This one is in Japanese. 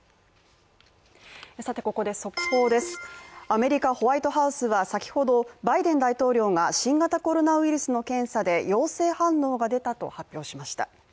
アメリカ・ホワイトハウスは先ほどバイデン大統領が新型コロナウイルスの検査で陽性反応が出たと発表しました。